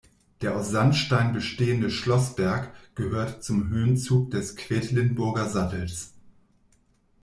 Der aus Sandstein bestehende Schlossberg gehört zum Höhenzug des Quedlinburger Sattels.